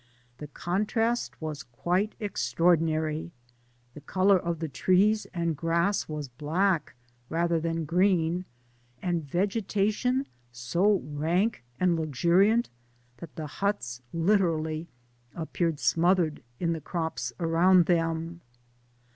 The contrast was quite extraordinary ;— the colour of the trees and grass was black rather than green, and vegetation so rank and luxuriant, that the huts literally appeared smothered in the tjrops around them.